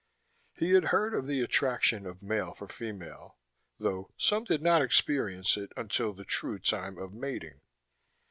He had heard of the attraction of male for female, though some did not experience it until the true time of mating.